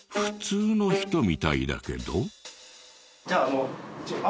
普通の人みたいだけど？